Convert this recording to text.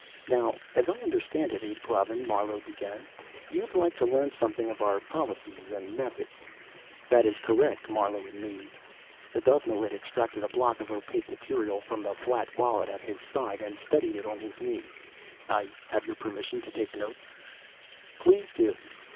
"Now, as I understand it, ud Klavan," Marlowe began, "you'd like to learn something of our policies and methods." "That is correct, Marlowe and Mead." The Dovenilid extracted a block of opaque material from the flat wallet at his side and steadied it on his knee. "I have your permission to take notes?" "Please do.